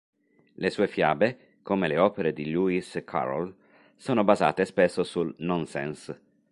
Le sue fiabe, come le opere di Lewis Carroll, sono basate spesso sul "nonsense".